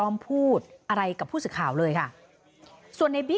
คุยกับตำรวจเนี่ยคุยกับตำรวจเนี่ยคุยกับตำรวจเนี่ย